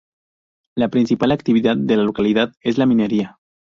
La principal actividad de la localidad es la minería.